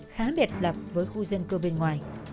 khá biệt lập với khu dân cư bên ngoài